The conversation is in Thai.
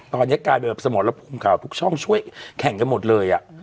ตอนนี้กลายแบบสมอดรับคุณข่าวทุกช่องช่วยแข่งกันหมดเลย